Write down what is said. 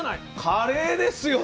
カレーですよ